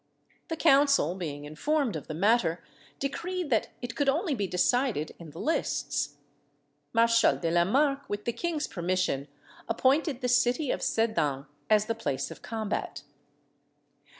The council, being informed of the matter, decreed that it could only be decided in the lists. Marshal de la Marque, with the king's permission, appointed the city of Sedan as the place of combat.